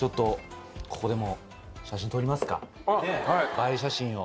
映え写真を。